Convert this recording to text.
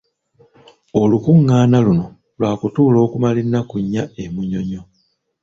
Olukungaana luno lwakutuula okumala ennaku nnya e Munyonyo.